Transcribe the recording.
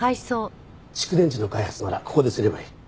蓄電池の開発ならここですればいい。